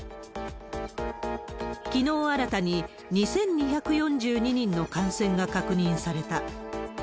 きのう、新たに２２４２人の感染が確認された。